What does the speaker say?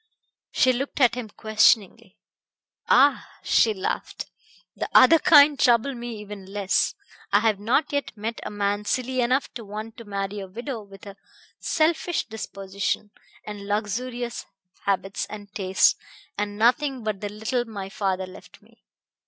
She looked at him questioningly. "Ah!" she laughed. "The other kind trouble me even less. I have not yet met a man silly enough to want to marry a widow with a selfish disposition, and luxurious habits and tastes, and nothing but the little my father left me."